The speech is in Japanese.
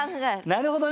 なるほどね。